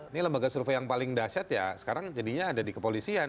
ini lembaga survei yang paling dahsyat ya sekarang jadinya ada di kepolisian